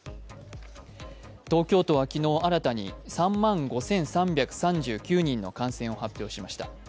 東京都は昨日新たに３万５３３９人の感染を発表しました。